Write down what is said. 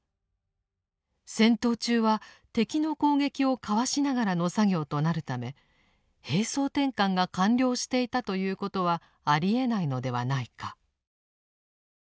戦闘中は敵の攻撃をかわしながらの作業となるため兵装転換が完了していたということはありえないのではないか。